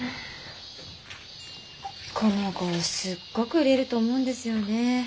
この号すっごく売れると思うんですよね。